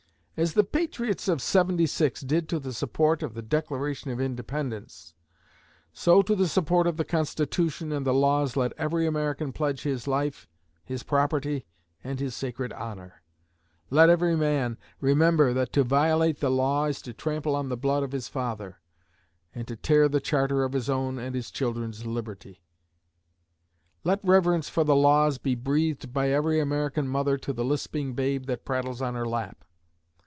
As the patriots of 'seventy six' did to the support of the Declaration of Independence, so to the support of the Constitution and the Laws let every American pledge his life, his property, and his sacred honor; let every man remember that to violate the law is to trample on the blood of his father, and to tear the charter of his own and his children's liberty. Let reverence for the laws be breathed by every American mother to the lisping babe that prattles on her lap.